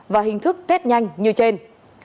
và hình thức test nhanh như trên